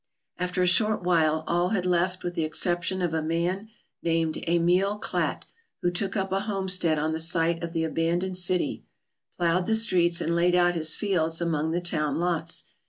After a shurt while all had left with the exception of a man named Emil Klatt, who took up a homestead on the site of the abandoned city, ploughed the streets, and laid out his fields among the town lots.